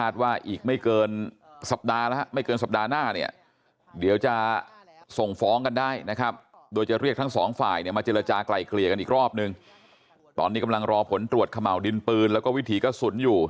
ทั้งสองฝ่ายเนี่ยมาเจรจากลายเกลี่ยกันอีกรอบหนึ่งตอนนี้กำลังรอผลตรวจขม่าวดินปืนแล้วก็วิถีกระสุนอยู่